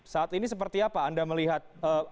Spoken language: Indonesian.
saat ini seperti apa anda melihat